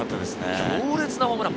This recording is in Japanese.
強烈なホームラン。